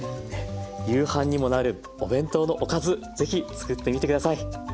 夕飯にもなるお弁当のおかず是非作ってみて下さい。